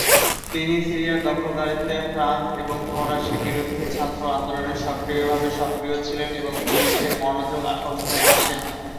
তিনি সিরিয়ার দখলদারিত্বের ফ্রান্স এবং ফরাসি বিরুদ্ধে ছাত্র আন্দোলনে সক্রিয়ভাবে সক্রিয় ছিলেন, এবং পুলিশের মনোযোগ আকর্ষণে আসেন।